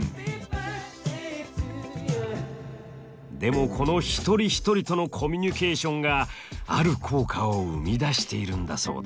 でもこの一人一人とのコミュニケーションがある効果を生み出しているんだそうです。